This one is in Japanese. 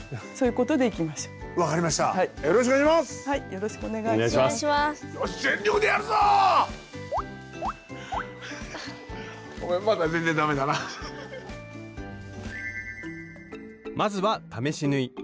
よしまずは試し縫い。